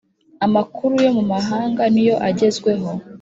Amakuru yo mu mahanga niyo agezweho